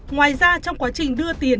ngoài ra trong quá trình đưa tiền